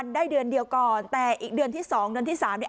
ได้เดือนเดียวก่อนแต่อีกเดือนที่๒เดือนที่๓เนี่ย